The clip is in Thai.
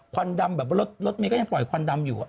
ควันดำแบบว่ารถเมย์ก็ยังปล่อยควันดำอยู่